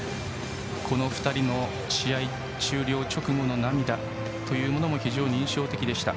この２人の試合終了直後の涙というものも非常に印象的でした。